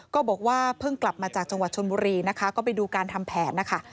ก็บอกว่าเพิ่งกลับมาจากจังหวัดชนบุรีนะคะก็ไปดูการทำแผนนะคะ